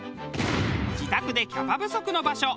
自宅でキャパ不足の場所